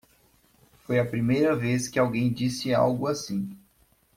Foi a primeira vez que alguém disse algo assim.